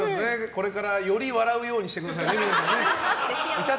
これからより笑うようにしてくださいね。